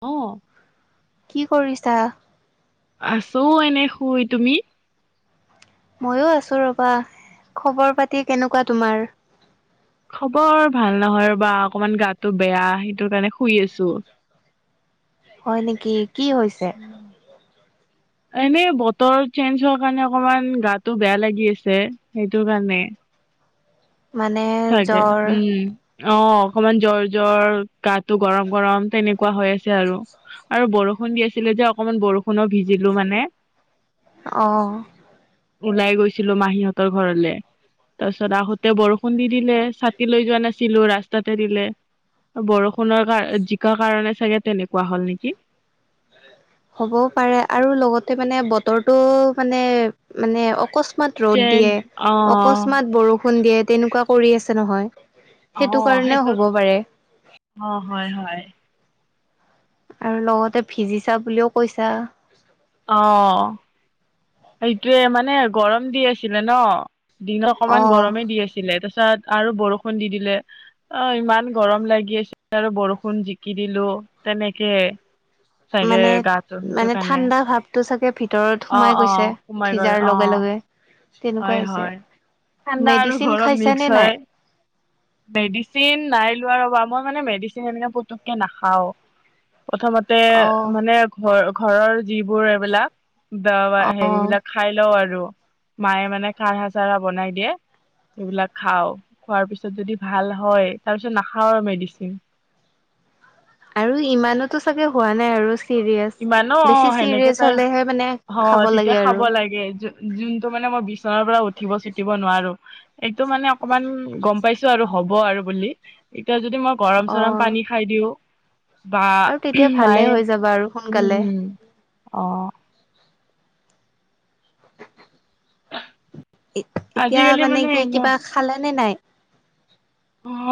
অ'। কি কৰিছা? আছোঁ এনে শুই তুমি? ময়ো আছো ৰ'বা খবৰ-পাতি কেনেকুৱা তোমাৰ? খবৰ ভাল নহয় ৰ'বা। অকনমান গাটো বেয়া, সেইটো কাৰণে শুই আছোঁ। হয় নেকি, কি হৈছে? এনেই বতৰ চেঞ্জ হোৱাৰ কাৰণে অকমান গাটো বেয়া লাগি আছে সেইটো কাৰণে। মানে চাগে জ্বৰ উম, অ', অকনমান জ্বৰ, জ্বৰ, গাটো গৰম, গৰম তেনেক কুৱা হৈ আছে আৰু আৰু বৰষুণ দি আছিলে যে অকমান বৰষুণো ভিজিলো মানে অ'। ওলাই গৈছিলো মাহীহঁতৰ ঘৰলে তাৰ পিছত আহোতে বৰষুণ খুন্দি দিলে ছাতি লৈ যোৱা নাছিলো ৰাস্তাতে দিলে। বৰষুণৰ কাৰ জিকা কাৰণে চাগে তেনেকুৱা হল নেকি। হ'বও পাৰে আৰু লগতে মানে বতৰটো মানে মানে অকস্মাৎ অস্মাতৎ ৰ'দ যেন দিয়ে অ', অকস্মাৎ বৰষুণ দিয়ে তেনেকুৱা কৰি আছে নহয়। সেইটো অ', কাৰণেও সেইটোত হ'ব পাৰে। অ' হয়, হয়। আৰু লগতে ভিজিছা বুলিও কৈছা। অ'। সেইটোৱে মানে গৰম দি আছিলে ন দিনত অকমান অ' গৰমে দি আছিলে তাৰপছত আৰু বৰষুণ দি দিলে। অ', ইমান গৰম লাগি আছিল আৰু বৰষুণ জিকি দিলো তেনেকে। চাগে মানে গাতো সেইটো মানে কাৰণে। ঠাণ্ডা ভাৱটো চাগে ভিতৰত। সোমাই অ', গৈছে অ', সোমাই গ'ল ভিজাৰ লগে অ'। লগে। তেনেকুৱা হয়, হৈছে। হয় ঠাণ্ডা আৰু মেডিচিন গৰম মিক্স খাইছানে নাই? হয়। মেডিচিন নাই লোৱা ৰ'বা, মই মানে মেডিচিনি পুতুককে নাখাওঁ। প্ৰথমতে, অ', মানে ঘৰ, ঘৰৰ যিবোৰ এইবিলাক বা অ', হেৰিবিলাক খাই লওঁ আৰু, মায়ে মানে খাৰা-চাৰা বনাই দিয়ে। এইবিলাক খাওঁ, খোৱাৰ পিছত যদি ভাল হয়, তাৰ পিছত নাখাওঁ আৰু মেডিচিন। আৰু ইমানটো চাগে হোৱা নাই আৰু। চিৰিয়াছ। ইমানো বেছি অ', সেনেকে চিৰিয়াছ তাই, হ'লেহে মানে খাব অ', তেতিয়া লাগে খাব আৰু লাগে। যোনটো মানে মই বিচনাৰ পৰা উঠিব-চুতিব নোৱাৰোঁ। এইটো মানে অকমান গম পাইছোঁ আৰু হ'ব আৰু বুলি, এতিয়া যদি মই গৰম-চৰম অ', পানী খাই দিওঁ, বা আৰু তেতিয়া ভালে মায়ে হৈ যাবা আৰু উম, সোনকালে। উম, অ'। এতিয়া আজিকালি মানে কি, এনে কিবা খালে নে নাই?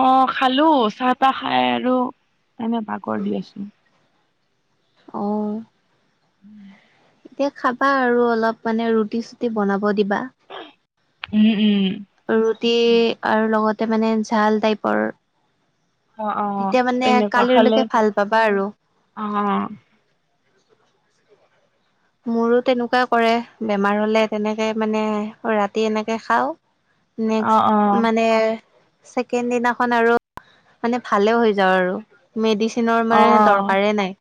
অ', খালোঁ, চাহ-তাহ খাই আৰু এনে বাগৰি আছোঁ। অঁ। ওম [unintelligible] এতিয়া, খাবা আৰু অলপ, মানে ৰুটি-চুটি বনাব দিবা। উম, উম। ৰুটি, আৰু লগতে মানে ঝাল টাইপৰ অ', অ', তেতিয়া মানে, তেনেকুৱা খালে কালিলৈকে ভাল পাবা আৰু। অ'। মোৰো তেনেকুৱাই কৰে, বেমাৰ হ'লে তেনেকে মানে ৰাতি এনেকে খাওঁ নেক্সট, অ', অ', মানে ছেকেণ্ড দিনাখন আৰু, মানে ভালে হৈ যাওঁ আৰু। মেডিচিনৰ মানে অ', দৰকাৰে নাই।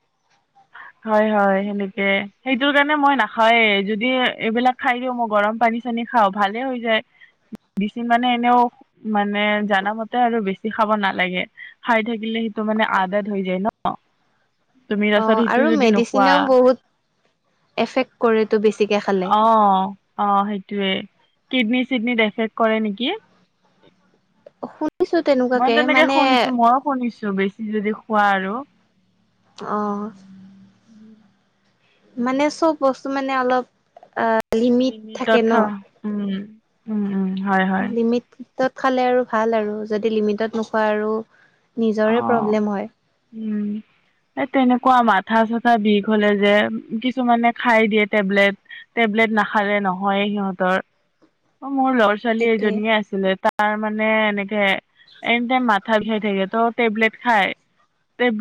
হয়, হয়, সেনেকে সেইটোৰ কাৰণে মই নাখাওঁৱে, যদি এইবিলাক খাই দিওঁ, মই গৰম পানী খাওঁ ভালে হৈ যায়। বছি মানে এনেও, মানে জানা মতে আৰু বেছি খাব নালাগে। খাই থাকিলে সেইটো মানে আদদ হৈ যায় ন', তুমি অ পাছত আৰু মেডিচিনেও বহুত, এফেক্ট কৰেতোঁ বেছিকৈ খালে। অ, অ, সেইটোৱে, কিডনী-চিডনিত এফেক্ট কৰে নেকি? শুনিছোঁ। মই তেনেকে শুনিছোঁ, মইও শুনিছোঁ বেছি যদি খোৱা আৰু অঁ। উও [unintelligible] ম মানে চব বস্তু মানে, অলপ লিমিট থাকে লিমিটত ন'। খাওঁ উম। উম উম হয় হয় লিমিটত খালে আৰু ভাল আৰু, যদি লিমিটত নোখোৱা আৰু নিজৰে অ', প্ৰব্লেম হয় উম। এ তেনেকুৱা মাথা-চাথা বিষ হ'লে যে, কিছুমানে খাই দিয়ে টেবলেট। টেবলেট নাখালে নহয়ে সিহঁতৰ, মোৰ ল'ৰা ছোৱালী সেইটোৱে এজনীয়ে আছিলে, তাৰ মানে এনেকে এনি টাইম মাথা বিষাই থাকে, ত' টেবলেট খায়। উম,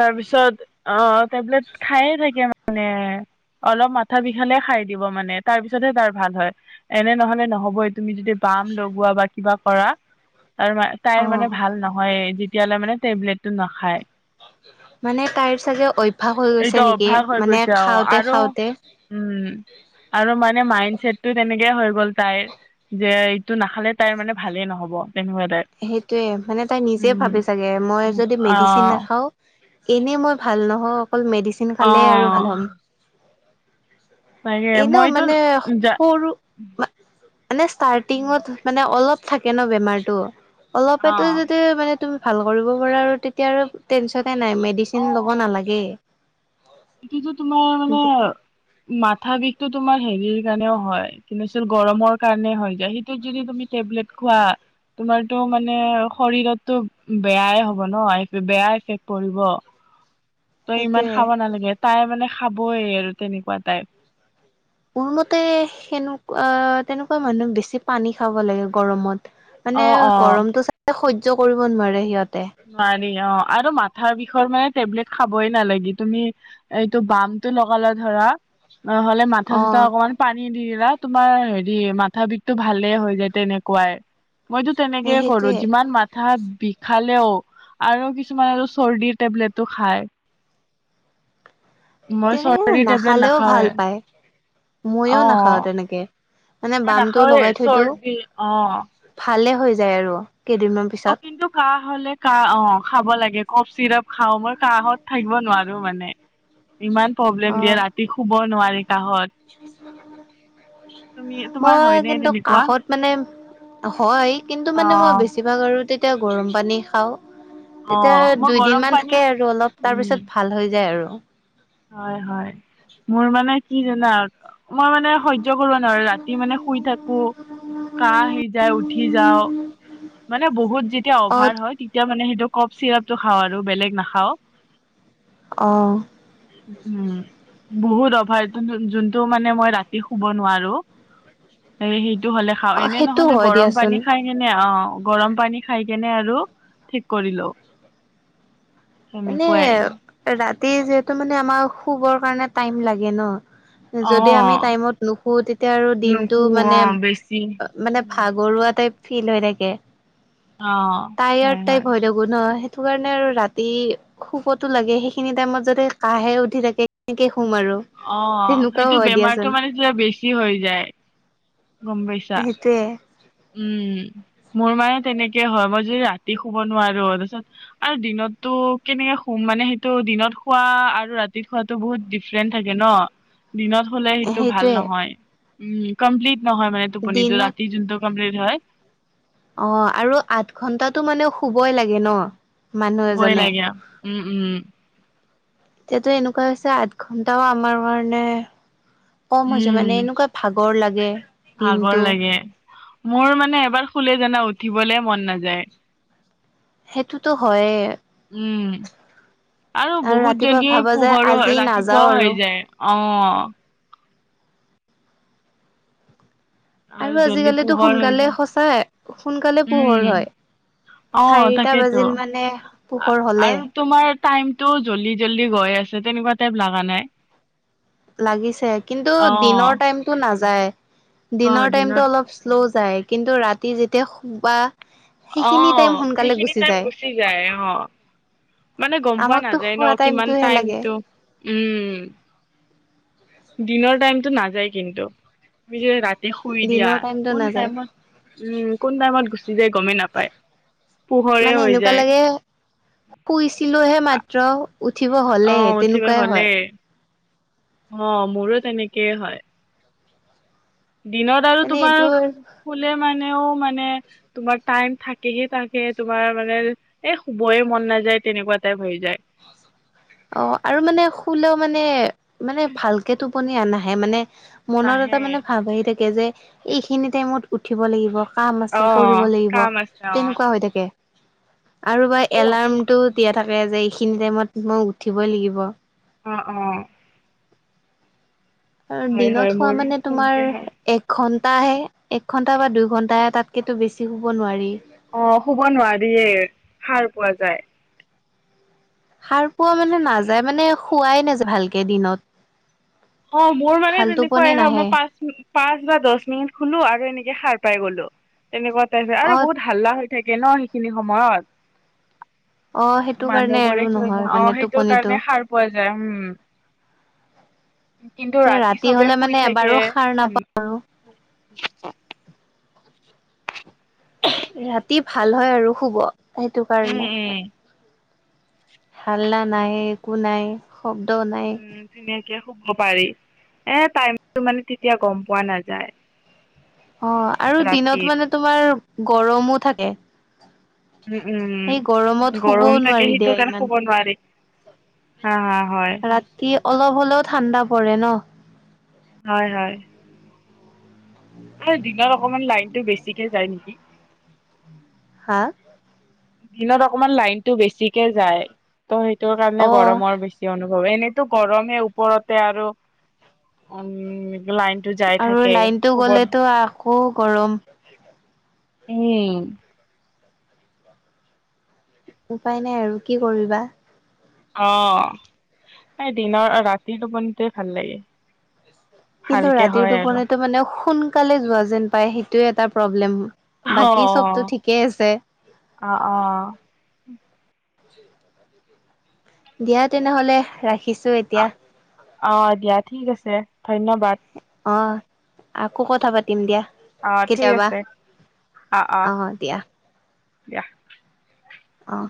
তাৰপিছত অ', টেবলেট খায়ে থাকে মানে। অলপ মাথা বিষালে খাই দিব মানে, তাৰ পিছতহে তাৰ ভাল হয়। এনে নহ'লে নহ'বই তুমি যদি বাম লগোৱা, বা কিবা কৰা তাৰ, অ তাইৰ মানে ভাল নহয়ে যেতিয়ালৈ মানে টেবলেটটো নাখায়। মানে তাইৰ চাগে অভ্যাস হৈ এইটো গৈছে নেকি? অভ্যাস হৈ মানে গৈছে অ খাওঁতে, আৰু খাওঁতে। উম, আৰু মানে মাইণ্ড ছেটটো তেনেকে হৈ গ'ল তাইৰ। যে, এইটো নাখালে তাইৰ মানে ভালে নহ'ব তেনেকুৱা তাই। সেইটোৱে, মানে তাই নিজে ভাবে চাগে, মই যদি অ মেডিচিন নাখাওঁ এনে মই ভাল নহওঁ, অকল মেডিচিন অ খালেহে আৰু ভাল হম। তাকে এনেও মইতো মানে যা সৰু মানে ষ্টাৰ্টিঙত মানে অলপ থাকে ন বেমাৰটো। অলপেতো অ', যদি মানে তুমি ভাল কৰিব পাৰা আৰু তেতিয়া আৰু টেনচন নাই মেডিচিন ল'ব নালাগে। এতিয়াতো তোমাৰ মানে মাথা বিষটো তোমাৰ হেৰিৰ কাৰণেও হয়, [unintelligible] গৰমৰ কাৰণে হয় যায়। সেইটোত যদি তুমি টেবলেট খোৱা তোমাৰটো মানে শৰীৰতটো বেয়াই হ'ব ন বেয়া এফেক্ট পৰিব। [inaudible] ত' ইমান খাব নালাগে, তাই মানে খাবই আৰু তেনেকুৱা টাইপ। মোৰ মতে সেনেকা তেনেকুৱা মানুহ বেছি পানী খাব লাগে গৰমত। মানে অ', অ'। গৰমটো যোনে সহ্য কৰিব নোৱাৰে সিহঁতে। নোৱাৰি অ' আৰু মাথাৰ বিষৰ মানে টেবলেট খাবই নালাগে। তুমি এইটো বামটো লগালে ধৰা, নহ'লে মাথা অ চাথা অকনমান পানী দি দিলা। তোমাৰ হেৰি মাথা বিষটো ভালে হৈ যায় তেনেকুৱাই। মইতো তেনেকে কৰো সেইটোয়ে যিমান মাথা বিষাল লেও আৰু কিছুমান আৰু চৰ্দিৰ টেবলেটটো খায়। মই তেনেকে চৰ্দিৰ টেবলেট নাখালেওঁ ভাল নাখাওৱে পায় মইও অ নাখাওঁ তেনেকে। মানে মই বামটো নাখাওৱে লগাই থৈ দিয়ো চৰ্দি অ ভালে হৈ যায় আৰু কেইদিনমান অ', পিছত কিন্তু কাহঁ হ'লে কাঁহ অ' খাব লাগে ক'ফ চিৰাপ খাওঁ, মই কাঁহত থাকিব নোৱাৰো মানে। ইমান অ প্ৰব্লেম দিয়ে ৰাতি শুব নোৱাৰি কাঁহত। [inaudible] তোমাৰ মই হয়নে কিন্তু তেনেকুৱা কাঁহত মানে হয় কিন্তু অ মানে মই বেছি বেছিভাগ আৰু তেতিয়া গৰম পানী খাওঁ। অ তেতিয়া মই দুই দিন গৰম মান পানী থাকে আৰু অলপ তাৰ উম পিছত ভাল হৈ যায় আৰু। হয়, হয়, মোৰ মানে কি জানা? মই মানে সহ্য কৰিব নোৱাৰো ৰাতি মানে শুই থাকো। কাঁহ আহি যায় উঠি যাওঁ, মানে বহুত যেতিয়া অ অভাৰ হয় তেতিয়া মানে সেইটো ক'ফ চিৰাপটো খাওঁ আৰু বেলেগ নাখাওঁ। অ'। উম। বহুত অভাৰ যোন-যোনটো মানে মই ৰাতি শুব নোৱাৰো। এ সেইটো হ'লে খাওঁ, অ এনে সেইটো নহ'লে হয় গৰম দিয়াচোন পানী খাই কেনে অ'। গৰম পানী খাই কেনে আৰু ঠিক কৰিলো। মানে তেনেকুৱাই। ৰাতি যিহেতু মানে আমাৰ শুবৰ কাৰণে টাইম লাগে ন। অ যদি আমি টাইমত নুশু তেতিয়া আৰু দিনটো নুশু অ মানে বেছি অ', মানে উম ভাগৰুৱা টাইপ ফিল হৈ থাকে। অ হয় টায়াৰদ হয় টাইপ হৈ থাকো ন সেইটো কাৰণে আৰু ৰা এই শুবতো লাগে, সেইখিনি টাইমত যদি কাঁহহে উঠি থাকে কেনেকে শুম আৰু। অ', তেনেকুৱাও সেইটো হয় দিয়াচোন বেমাৰটো মানে যে বেছি হৈ যায়, গম পাইছ সেইটোৱে। উম, মোৰ মানে তেনেকে হয়। মই যদি ৰাতি শুব নোৱাৰো তাৰপিছত আৰু দিনটো কেনেকে শুম মানে সেইটো দিনত শোৱা আৰু ৰাতি শোৱা তো বহুত ডিফাৰেন্ট থাকে ন। দিনত হ'লে সেইটো ভাল সেইটোৱে নহয়। উম, কমপ্লিট নহয় মানে টোপনিটো দিনত ৰাতি যোনটো কমপ্লিট হয়। অ', আৰু আঠ ঘন্টাটো মানে শুবই লাগে ন। মানুহ শুবই এজনে। লাগে উম উম এতিয়াতো এনেকুৱা হৈছে, আঠ ঘন্টাও আমাৰ কাৰণে কম হৈছে মানে উম এনেকুৱা ভাগৰ লাগে। ভাগৰ দিনটো লাগে, মোৰ মানে এবাৰ শুলে জানা উঠিবলে মন নাযায়। সেইটোতো হয়ে। উম, আৰু বহুত ৰাতিপুৱা জলদি, ভাবা যায় পোহৰো আজি নাযাও ৰাতিপুৱাও আৰু হৈ যায়। অ'। আৰু জ্লি আজিকালিতো পোহৰ হৈ সোনকালে যায়, সঁচাই সোনকালে পোহৰ হয়। উম। অ' চাৰিটা তাকেইেতো, বাজিল মানে পোহৰ হ'লে। আৰু তোমাৰ টাইমতটো জল্দি জল্দি গৈ আছে, তেনেকুৱা টাইপ লগা নাই। লাগিছে, কিন্তু অ', দিনৰ টাইমতটো নাযায়, অ', দিনৰ টাইমতটো দিনত অলপ শ্ল' যায়। কিন্তু ৰাতি যেতিয়া শুবা সেইখিনি টাইম অ' সোনকালে সেইখিনি টাইম যায়। গুচি যায়, অ'। মানে গম পোৱা আমাকতো নাযায় ন, খোৱা কিমান টাইমটোহে লাগে টাইমতটো, উম। দিনৰ টাইমতটো নাযায় কিন্তু, তুমি যে ৰাতি শুই দিয়া, দিনৰ টাইমতটো কোন নাযায়। টাইমত উম, কোন টাইমত গুচি যায় গমেই নাপায়। পোহৰে মানে হৈ এনেকুৱা যায়। লাগে, শুইছিলোহে আ- মাত্ৰ। উঠিব অ', হ'লেই উঠিব তেনেকুৱাই হ'লে হয়। অ' মোৰো তেনেকেই হয়। দিনত আৰু মানে তোমাৰ, এইটোৰ খুলে মানেও মানে তোমাৰ টাইম থাকেহে, থাকে, তোমাৰ মানে এ শুবইে মন নাযায় তেনেকুৱা টাইপ হৈ যায়। অ' আৰু মানে শুলও মানে, মানে ভালকে টোপনি আ নাহে মানে মনত এটা নাহে মানে ভাৱ আহি থাকে যে, এইখিনি টাইমত উঠিব লাগিব। কাম আছে কৰিব অ' লাগিব, কাম আছে অ' তেনেকুৱা হৈ থাকে। আৰু বা এলাৰ্মটো দিয়া থাকে যে, এইখিনি টাইমত মই উঠিবই লাগিব। অ' অ'। কাৰণ, হয় হয় দিনত হোৱা মোৰো মানে সেনেকে তোমাৰ হয় এক ঘন্টাহে, এক ঘন্টা বা দুই ঘণ্টাহে তাতকেতো বেছি শুব নোৱাৰি। অ' শুব নোৱাৰিয়েই, সাৰ পোৱা যায়। সাৰ পোৱা মানে নাযায়, মানে খোৱাই নাযায় ভালকে দিনত। অ' মোৰ মানে ভাল টোপনি তেনেকুৱাই হয়, নাহে মই পাঁচিনি পাঁচ বা দহ মিনিট শুলো, আৰু এনেকে সাৰ পাই গ'লো, তেনেকুৱা টাইপে অ আৰু বহুত হাল্লা হয় থাকে ন সেইখিনি সময়ত। অ সেইটো কাৰণে আৰু মানুহবোৰে কি, নহয় অ' মানে সেইটোৰ টোপনিটো কাৰণে সাৰ পোৱা যায়, উম। কিন্তু এতিয়া ৰাতি চবে হলে শুই মানে থাকে, এবাৰো সাৰ ঠা নাপাওঁ আৰু ৰাতি ভাল হয় আৰু শুব, সেইটো উম কাৰণে। উম। হাল্লা নাই, একো নাই, শব্দও নাই। উম ধুনীয়াকে শুব পাৰি, এ টাইমটো মানে তেতিয়া গম পোৱা নাযায়। অ' আৰু দিনত ৰাতিৰ মানে তোমাৰ গৰমো থাকে। উম সেই উম, গৰমত শুবও গৰম থাকে নোৱাৰি দিয়া সেইটো কাৰণে ইমান শুব নোৱাৰি। হা হা হয়। ৰাতি অলপ হ'লেও ঠাণ্ডা পৰে ন। হয় হয়। [inaudible] দিনত অকমান লাইনতটো বেছিকে যায় নেকি। হা? দিনত অকমান লাইনতটো বেছিকে যায়, ত' সেইটোৰ কাৰণে অ গৰমৰ বেছি কি অনুভৱ, এনেইতো গৰমে ওপৰতে আৰু, উম। লাইনটো যাই আৰু থাকে লাইনতটো শুব গ'লেতো আকৌ গৰম। উম। উপায় নাই আৰু কি কৰিবা। অ', এই দিনৰ ৰাতিৰ টোপনিটোয়ে ভাল লাগে। কিন্তু ভালকে ৰাতিৰ হয় আৰু টোপনিটো মানে সোনকালে যোৱা যেন পায় সেইটোৱে এটা প্ৰব্লেম। বাকী অ', চবতো ঠিকেই অ', আছে অ', অ। দিয়া তেনেহলে ৰাখিছোঁ অ এতিয়া। অ', দিয়া ঠিক আছে ধন্যবাদ। অ', আকৌ কথা পাতিম দিয়া। অ', ঠিক কেতিয়াবা আছে অ', অ', দিয়া। অ'।